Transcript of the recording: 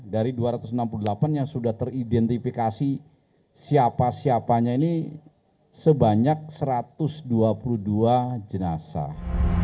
dari dua ratus enam puluh delapan yang sudah teridentifikasi siapa siapanya ini sebanyak satu ratus dua puluh dua jenazah